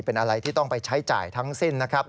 เป็นอะไรที่ต้องไปใช้จ่ายทั้งสิ้นนะครับ